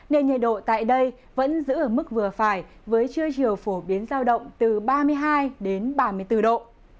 nên nhiệt độ tại đây vẫn giữ ở mức vừa phải với trưa chiều phổ biến giao động từ ba mươi hai đến ba mươi bốn độ